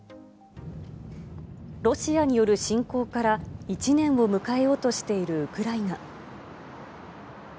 ロシアによる侵攻から、１年を迎えようとしているウクライナ。